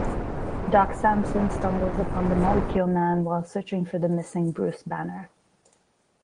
Doc Samson stumbles upon the Molecule Man while searching for the missing Bruce Banner.